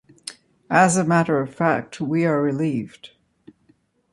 As a matter of fact, we are relieved.